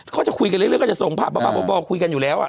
เขาจะคุยกันเรื่อยก็จะส่งภาพบ่อคุยกันอยู่แล้ว